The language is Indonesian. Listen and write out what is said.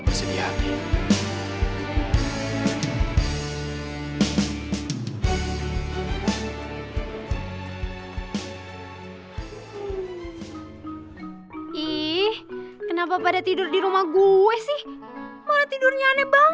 bersedih hati ih kenapa pada tidur di rumah gue sih malah tidurnya aneh